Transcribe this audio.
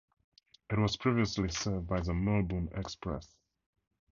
It was previously served by the "Melbourne Express".